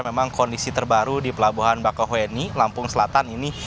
memang kondisi terbaru di pelabuhan bakauheni lampung selatan ini